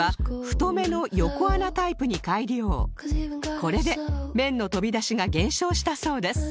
これで麺の飛び出しが減少したそうです